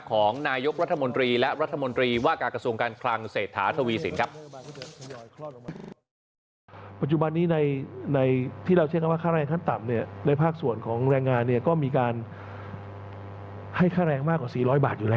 ของนายกรัฐมนตรีและรัฐมนตรีว่าการกระทรวงการคลังเศรษฐาทวีสินครับ